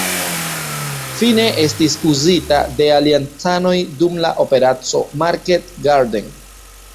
Fine estis uzita de Aliancanoj dum la Operaco Market Garden.